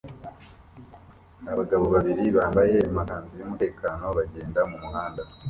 Abagabo babiri bambaye amakanzu yumutekano bagenda mumuhanda